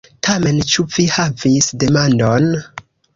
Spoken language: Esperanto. Tamen, ĉu vi havis demandon?